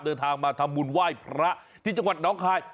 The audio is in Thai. เดินทางมาทำบุญไหว้พระที่จังหวัดน้องคาย